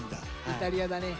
イタリアだね。